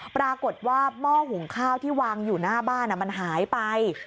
ปรากฏว่าหม้อหุงข้าวที่วางอยู่หน้าบ้านมันหายไป